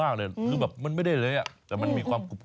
มะพร้าวนิ่มมากเลยหรือแบบมันไม่ได้เลยอะแต่มันมีความกรุบ